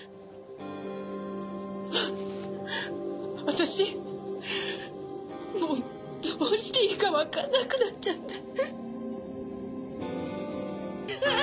「私もうどうしていいかわかんなくなっちゃって」